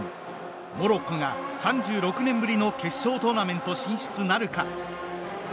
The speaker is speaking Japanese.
モロッコが３６年ぶりの決勝トーナメント進出なるか？